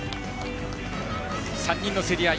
３人の競り合い。